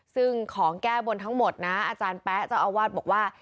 ซึ่งของแก้บนทั้งหมดนะอาจารย์แป๊ะเจ้าอาวาสบอกว่า